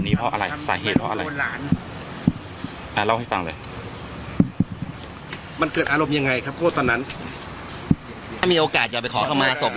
เมื่อเมื่อเมื่อเมื่อ